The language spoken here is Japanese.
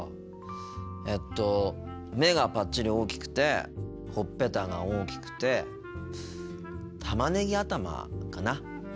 えっと目がぱっちり大きくてほっぺたが大きくてたまねぎ頭かな？